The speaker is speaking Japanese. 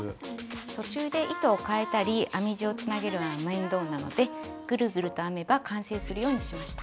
途中で糸をかえたり編み地をつなげるのは面倒なのでグルグルと編めば完成するようにしました。